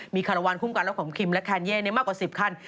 มีคารวาลคุ้มกันและของคิมและแคนเย่มากกว่า๑๐คัน